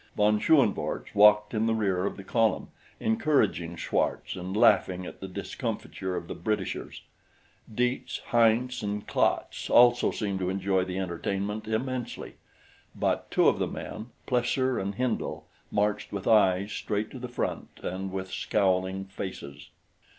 Von Schoenvorts walked in the rear of the column, encouraging Schwartz and laughing at the discomfiture of the Britishers. Dietz, Heinz, and Klatz also seemed to enjoy the entertainment immensely; but two of the men Plesser and Hindle marched with eyes straight to the front and with scowling faces.